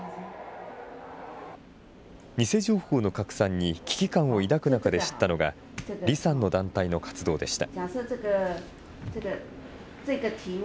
偽情報の拡散に危機感を抱く中で知ったのが、李さんの団体の活動でした。